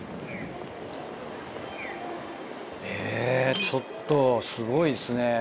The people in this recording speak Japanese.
えちょっとすごいですね。